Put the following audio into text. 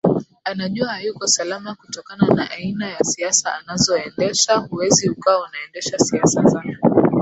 anajua hayuko salama kutokana na aina ya siasa anazoendeshaHuwezi ukawa unaendesha siasa za